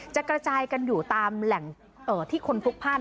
จะกระจายกันอยู่ตามแหล่งที่คนพลุกพ่าน